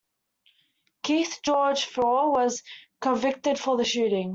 Keith George Faure was convicted for the shooting.